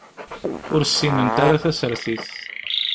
Ur ssinent ara tasertit.